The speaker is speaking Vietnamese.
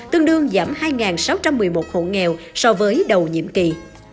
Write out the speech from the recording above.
tương đương giảm hai sáu trăm một mươi một hộ nghèo so với đầu nhiệm kỳ